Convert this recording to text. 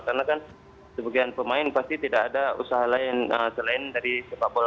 karena kan sebagian pemain pasti tidak ada usaha lain selain dari sepak bola